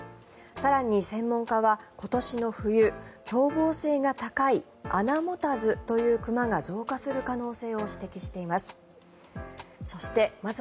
更に、専門家は今年の冬凶暴性が高い穴持たずという熊が増加する可能性を指摘しています。